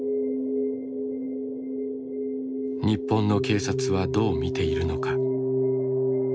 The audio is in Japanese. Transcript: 日本の警察はどう見ているのか。